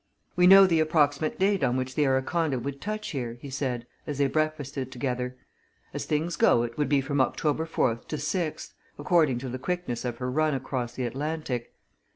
"We know the approximate date on which the Araconda would touch here," he said as they breakfasted together. "As things go, it would be from October 4th to 6th, according to the quickness of her run across the Atlantic.